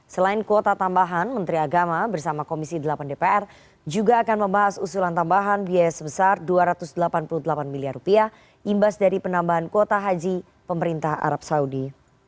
selain kuota tambahan menteri agama bersama komisi delapan dpr juga akan membahas usulan tambahan biaya sebesar rp dua ratus delapan puluh delapan miliar imbas dari penambahan kuota haji pemerintah arab saudi